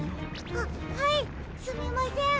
あっはいすみません。